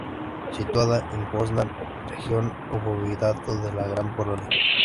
Situada en Poznań, región o voivodato de la Gran Polonia.